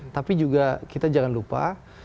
tapi juga kita jangan lupa